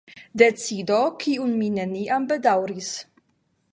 Decido, kiun mi neniam bedaŭris.